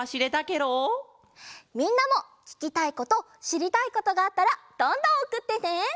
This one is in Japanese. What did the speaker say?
みんなもききたいことしりたいことがあったらどんどんおくってね！